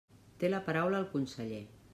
Té la paraula el conseller.